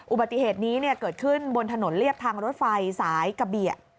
อุบัติเหตุนี้เกิดขึ้นบนถนนเรียบทางรถไฟสายกะเบีย